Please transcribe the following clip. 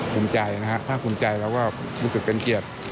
ภูมิใจนะครับภาคภูมิใจเราก็รู้สึกเป็นเกียรติ